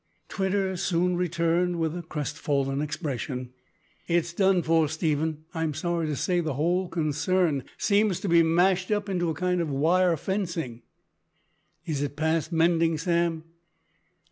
Twitter soon returned with a crestfallen expression. "It's done for, Stephen. I'm sorry to say the whole concern seems to be mashed up into a kind of wire fencing!" "Is it past mending, Sam?"